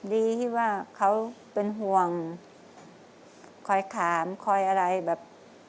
เดี๋ยวเขาเป็นห่วงค่อยคามค่อยอะไรแบบ